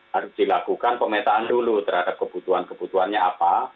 harus dilakukan pemetaan dulu terhadap kebutuhan kebutuhannya apa